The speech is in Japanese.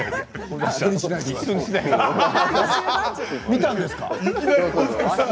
見たんですか？